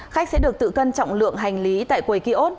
khách sẽ được tự cân trọng lượng hành lý tại quầy ốt